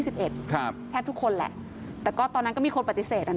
แทบทุกคนแหละแต่ก็ตอนนั้นก็มีคนปฏิเสธอ่ะ